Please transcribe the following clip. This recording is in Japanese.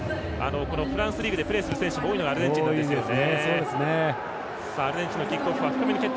フランスリーグでプレーする選手が多いのがアルゼンチンなんですよね。